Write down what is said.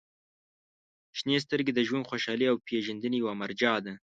• شنې سترګې د ژوند خوشحالۍ او پېژندنې یوه مرجع ده.